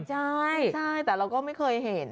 ใช่แต่เราก็ไม่เคยเห็น